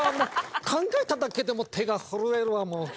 考えただけでも手が震えるわ。